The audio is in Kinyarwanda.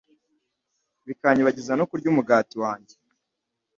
bikanyibagiza no kurya umugati wanjye